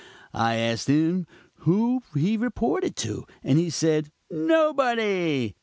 I asked him who he reported to, and he said, 'Nobody.'